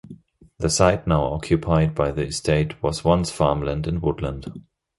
The site now occupied by the estate was once farmland and woodland.